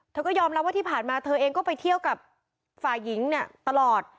เธอก็ยอมรับว่าที่ผ่านมาเธอเองก็ไปเที่ยวกับฝ่ายหญิงเนี่ยตลอด